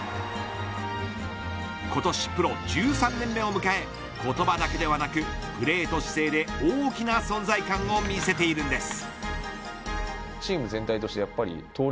今年、プロ１３年目を迎え言葉だけではなくプレーと姿勢で大きな存在感を見せているんです。